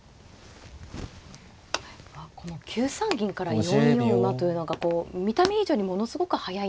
この９三銀から４四馬というのが見た目以上にものすごく速いんですね。